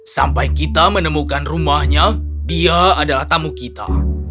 sampai kita menemukan rumahnya dia adalah tamu kita